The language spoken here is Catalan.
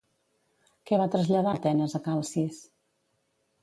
Què va traslladar Atenes a Calcis?